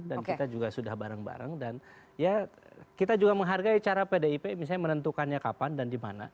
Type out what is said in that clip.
dan kita juga sudah bareng bareng dan ya kita juga menghargai cara pdip misalnya menentukannya kapan dan dimana